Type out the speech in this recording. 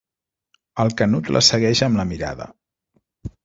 El Canut la segueix amb la mirada.